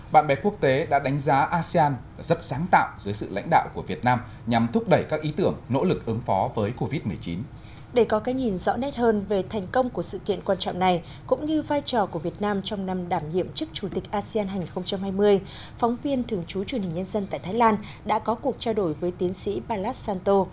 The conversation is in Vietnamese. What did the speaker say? phóng viên thường trú truyền hình nhân dân tại thái lan đã có cuộc trao đổi với tiến sĩ palas santo